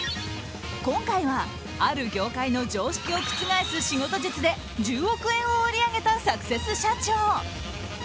今回はある業界の常識を覆す仕事術で１０億円を売り上げたサクセス社長。